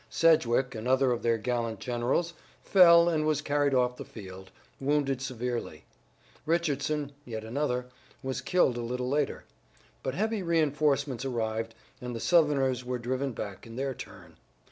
Sedgwick, another of their gallant generals, fell and was carried off the field, wounded severely. Richardson, yet another, was killed a little later, but heavy reinforcements arrived, and the Southerners were driven back in their turn.